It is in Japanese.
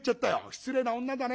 失礼な女だね。